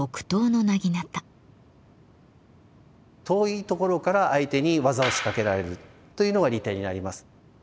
遠いところから相手に技を仕掛けられるというのが利点になります。